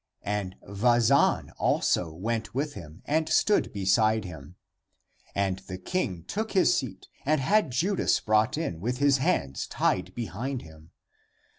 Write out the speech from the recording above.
And Vazan also went with him and stood beside him. And the king took his seat and had Judas brought in with his hands tied behind him.